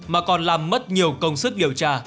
mà còn làm mất nhiều công sức điều tra